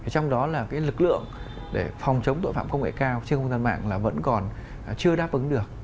trong đó là lực lượng để phòng chống tội phạm công nghệ cao trên không gian mạng là vẫn còn chưa đáp ứng được